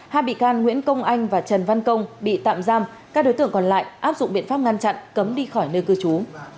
hai bị can nguyễn công anh và trần văn công bị tạm giam các đối tượng còn lại áp dụng biện pháp ngăn chặn cấm đi khỏi nơi cư trú